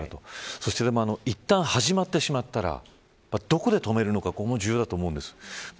そして、いったん始まってしまったらどこで止めるのかも重要だと思うんです。